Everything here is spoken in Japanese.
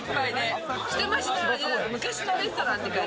昔のレストランって感じ。